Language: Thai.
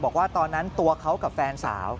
บอกว่าตอนนั้นตัวเขากับแฟนสาว